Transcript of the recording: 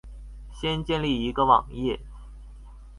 先建立一個網頁